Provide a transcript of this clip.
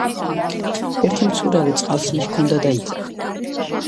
ერთი მცურავი წყალს მოჰქონდა და იძახდა